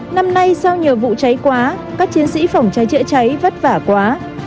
năm nay sau nhiều vụ cháy quá các chiến sĩ phòng cháy chữa cháy vất vả quá